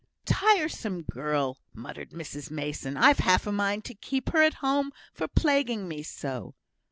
"Tiresome girl!" muttered Mrs Mason; "I've half a mind to keep her at home for plaguing me so."